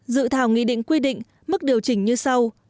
dự thảo nghị định quy định mức điều chỉnh như sau